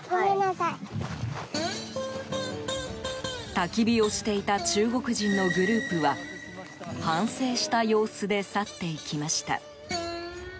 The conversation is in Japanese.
たき火をしていた中国人のグループは反省した様子で去っていきました。